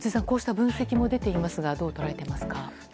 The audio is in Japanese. こうした分析も出ていますがどう捉えていますか？